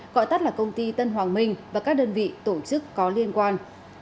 gọi tắt là công ty tân hoàng minh và các đơn vị tổ chức có liên quan